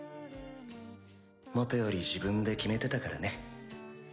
もとより自分で決めてたからね。